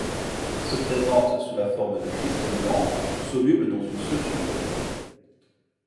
Il se présente sous la forme de cristaux blancs, solubles dans une solution polaire.